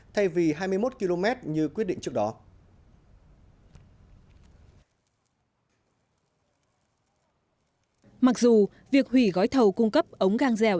thay vì hai mươi một km như quyết định trước đó